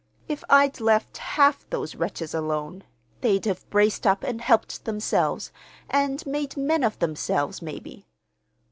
If I'd left half those wretches alone, they'd have braced up and helped themselves and made men of themselves, maybe.